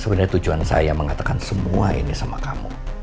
sebenarnya tujuan saya mengatakan semua ini sama kamu